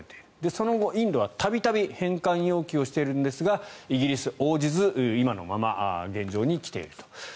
その後、インドは度々返還要求しているんですがイギリスは応じず今のまま現状に来ていると。